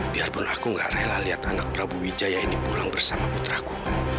biarpun aku gak rela lihat anak prabu wijaya ini pulang bersama putraku